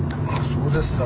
そうですか。